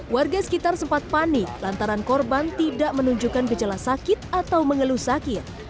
warga sekitar sempat panik lantaran korban tidak menunjukkan gejala sakit atau mengeluh sakit